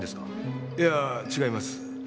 いやあ違います。